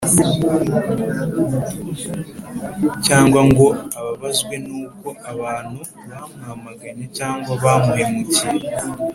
cyangwa ngo ababazwe n’uko abantu bamwamaganye cyangwa bamuhemukiye